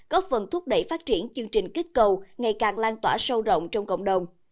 góp phần thúc đẩy phát triển chương trình kích cầu ngày càng lan tỏa sâu rộng trong cộng đồng